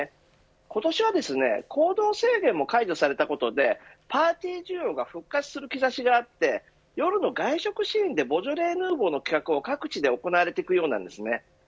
今年は行動制限も解除されたことでパーティー需要が復活する兆しがあって夜の外食シーンでボジョレ・ヌーボーの企画が各地で行われていくようなんです。